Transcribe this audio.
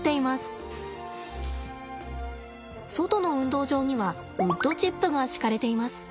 外の運動場にはウッドチップが敷かれています。